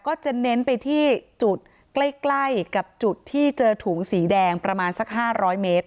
ก็จะเน้นไปที่จุดใกล้กับจุดที่เจอถุงสีแดงประมาณสัก๕๐๐เมตร